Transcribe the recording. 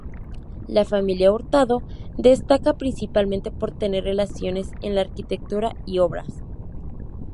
La familia Hurtado destaca, principalmente por tener relación en la arquitectura y obras.